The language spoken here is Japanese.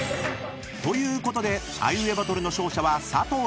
［ということであいうえバトルの勝者は佐藤さん］